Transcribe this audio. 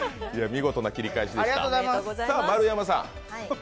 見事な切り返しでした。